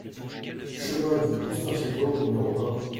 Chemin de Rustinchetto au numéro un